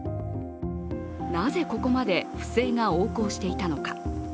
なぜ、ここまで不正が横行していたのか。